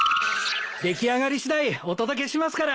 出来上がりしだいお届けしますから。